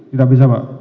tidak bisa pak